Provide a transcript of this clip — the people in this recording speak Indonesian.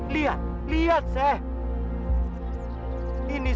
lihat lihat teng